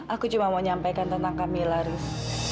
aku cuma mau nyampaikan tentang kamila riz